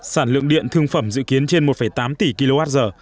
sản lượng điện thương phẩm dự kiến trên một tám tỷ kwh